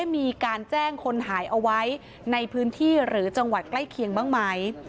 มีการแจ้งคนหายเอาไว้ในพื้นที่หรือจังหวัดใกล้เคียงบ้างไหม